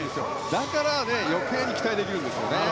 だから余計に期待できるんです。